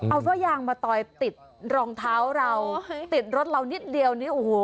เอาฝ้ายางมาต่อยติดรองเท้าเราติดรถเรานิดเดียวนี่โอ้โห